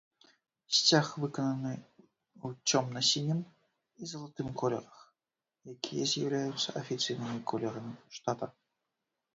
Сцяг выкананы ў цёмна-сінім і залатым колерах, якія з'яўляюцца афіцыйнымі колерамі штата.